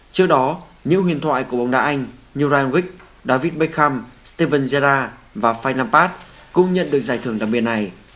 trước đó những huyền thoại của bóng đá anh như ryan wick david beckham steven zeta và fai lampard cũng nhận được giải thưởng đặc biệt này